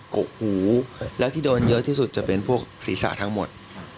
กกหูแล้วที่โดนเยอะที่สุดจะเป็นพวกศีรษะทั้งหมด